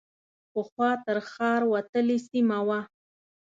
پخوا تر ښار وتلې سیمه وه.